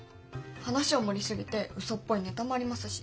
話を盛り過ぎてうそっぽいネタもありますし。